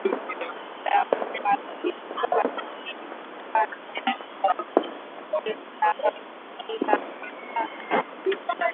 la Madizini kata ya Kilakala Morogoro mjini ambao kwa vipindi tofauti vya miaka thelathini